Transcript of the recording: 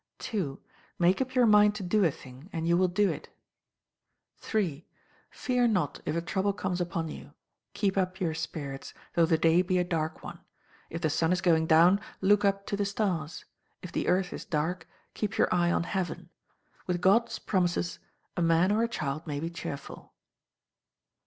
ii. Make up your mind to do a thing, and you will do it. iii. Fear not if a trouble comes upon you; keep up your spirits, though the day be a dark one. If the sun is going down, look up to the stars. If the earth is dark, keep your eye on heaven. With God's promises, a man or a child may be cheerful.